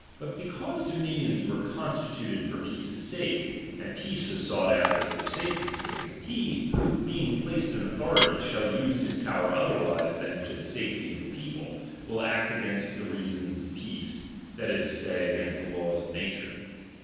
But because dominions were consti tuted for peace's sake, and peace was sought after I DOMINION. 167 ^H for safety's salte ; lie, who being placed in authority, chap. xiM. shall use his power otherwise than to the safety of the people, will act against the reasons of peace, that is to say, against the laws of nature.